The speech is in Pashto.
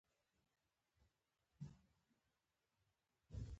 نه پوهېږم، د مینې تارونه څنګه شلول.